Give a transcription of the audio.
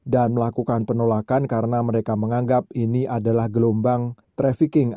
dan melakukan penolakan karena mereka menganggap ini adalah gelombang trafficking